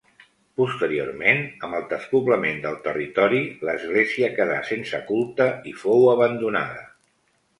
Posteriorment, amb el despoblament del territori, l'església quedà sense culte i fou abandonada.